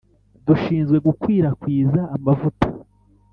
dushinzwe gukwirakwiza amavuta